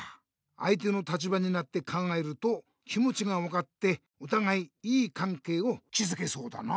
あいての立場になって考えると気もちが分かっておたがいいいかんけいをきずけそうだな。